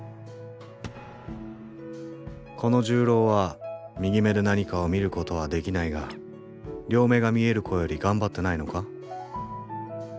この重郎は右目で何かを見ることはできないが両目が見える子より頑張ってないのか？